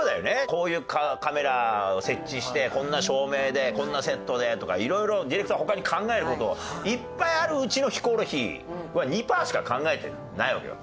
こういうカメラを設置してこんな照明でこんなセットでとか色々ディレクターは他に考える事いっぱいある内のヒコロヒーは２パーしか考えてないわけよ。